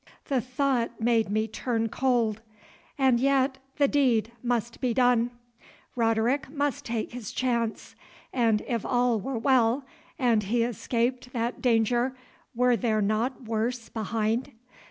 The thought made me turn cold, and yet the deed must be done; Roderick must take his chance. And if all were well, and he escaped that danger, were there not worse behind?